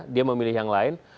dia memilih yang lain